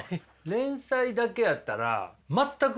連載だけやったら全くですか？